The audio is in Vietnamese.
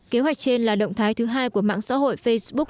kế hoạch trên là động thái thứ hai của mạng xã hội facebook